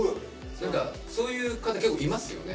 何かそういう方結構いますよね。